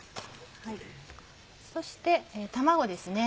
そして卵です。